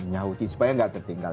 menyauti supaya tidak tertinggal